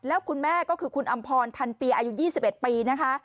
แล้วคุณแม่ก็คือคุณอำพรทันปีอายุ๒๑ปีนะคะ